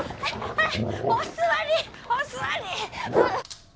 はい。